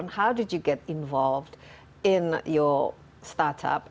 bagaimana kamu mendapatkan pertemuan di startupmu